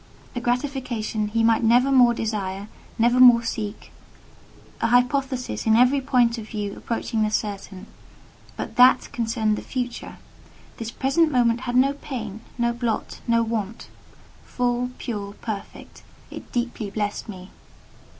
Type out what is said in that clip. A gratification he might never more desire, never more seek—an hypothesis in every point of view approaching the certain; but that concerned the future. This present moment had no pain, no blot, no want; full, pure, perfect, it deeply blessed me.